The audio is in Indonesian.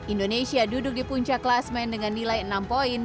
indonesia duduk di puncak klasmen dengan nilai enam poin